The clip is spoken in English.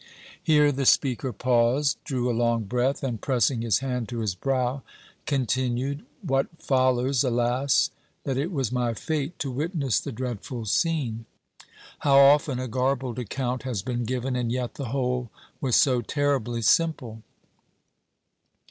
Here the speaker paused, drew a long breath, and, pressing his hand to his brow, continued: "What follows alas, that it was my fate to witness the dreadful scene! How often a garbled account has been given, and yet the whole was so terribly simple!